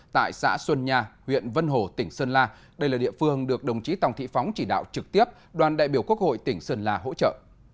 tại xã xuân nha huyện vân hồ tỉnh sơn la đây là địa phương được đồng chí tòng thị phóng chỉ đạo trực tiếp đoàn đại biểu quốc hội tỉnh sơn la hỗ trợ